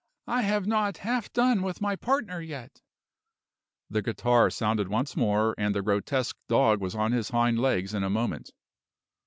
"I have not half done with my partner yet." The guitar sounded once more, and the grotesque dog was on his hind legs in a moment.